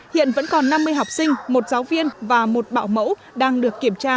hiện vẫn còn năm mươi học sinh một giáo viên và một bảo mẫu đang được kiểm tra